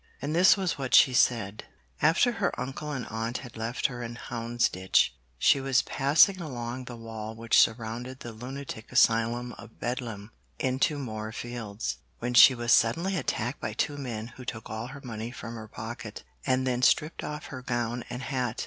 And this was what she said: After her uncle and aunt had left her in Houndsditch, she was passing along the wall which surrounded the lunatic asylum of Bedlam, into Moorfields, when she was suddenly attacked by two men who took all her money from her pocket, and then stripped off her gown and hat.